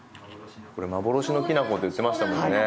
これ幻のきな粉って言ってましたもんね。